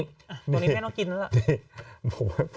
นี่อันนี้แม่ต้องกินนักล่ะ